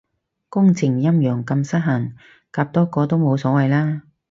工程陰陽咁失衡，夾多個都冇所謂啦